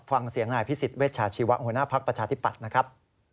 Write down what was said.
ฟังเสียงนายพิสิทธิเวชาชีวะหัวหน้าภักดิ์ประชาธิปัตย์นะครับ